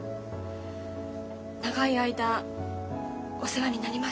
長い間お世話になりました。